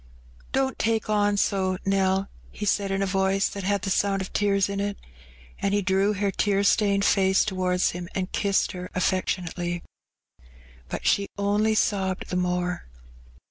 " Don't take on so, Nell," he said, in a voice that had the BOiud of tears in it. And he drew her tear stained face towards him and kissed her affectionately. Bat she only sobbed the more.